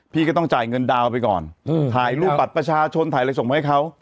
พี่ก็ต้องจ่ายเงินดาวน์ไปก่อนถ่ายรูปบัตรประชาชนถ่ายอะไรส่งมาให้เขา